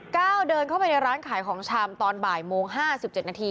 ก้าวเดินเข้าไปในร้านขายของชำตอนบ่ายโมง๕๗นาที